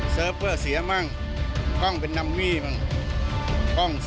เซิร์ฟเวอร์เสียบ้าง